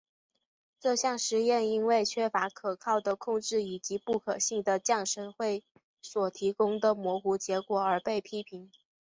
这项实验因为缺乏可靠的控制以及不可信的降神会所提供的模糊结果而被批评。